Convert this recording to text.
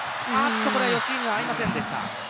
これは吉井が合いませんでした。